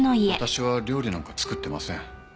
私は料理なんか作ってません。